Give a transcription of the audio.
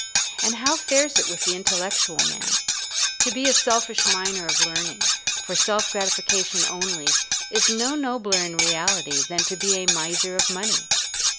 And how fares it with the intellectual man? To be a selfish miner of learning, for self gratification only, is no nobler in reality than to be a miser of money.